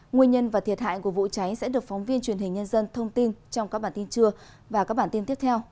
nguyên nhân và thiệt hại của vụ cháy sẽ được phóng viên truyền hình nhân dân thông tin trong các bản tin trưa và các bản tin tiếp theo